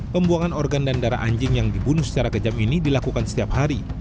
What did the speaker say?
pembuangan organ dan darah anjing yang dibunuh secara kejam ini dilakukan setiap hari